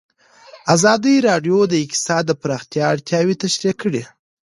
ازادي راډیو د اقتصاد د پراختیا اړتیاوې تشریح کړي.